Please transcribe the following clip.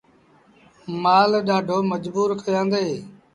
مآل ڏآڍو مجبور ڪيآندي۔